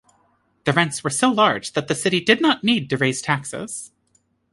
The rents were so large that the city did not need to raise taxes.